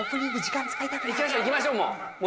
行きましょう、もう。